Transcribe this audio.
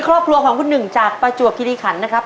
ครอบครัวของคุณหนึ่งจากประจวบคิริขันนะครับ